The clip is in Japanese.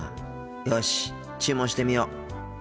よし注文してみよう。